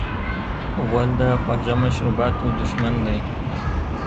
غول د خواږه مشروباتو دښمن دی.